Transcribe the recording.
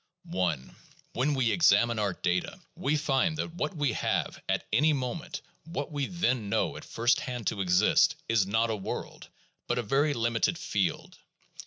I When we examine our data, we find that what we have at any moment, what we then know at first hand to exist, is not a world, but a very limited field.